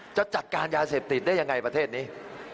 จะจัดการยาเสพติดได้ยังไงประเทศนี้